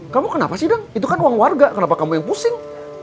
kamu kenapa sih dong itu kan uang warga kenapa kamu yang pusing